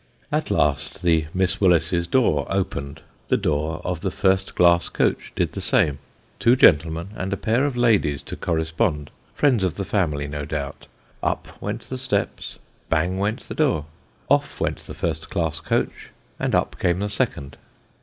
At last the Miss Willises' door opened ; the door of the first glass coach did the same. Two gentlemen, and a pair of ladies to corre 12 Sketches by Bos. spond friends of the family, no doubt ; up went the steps, bang went the door, off went the first glass coach, and up came the second.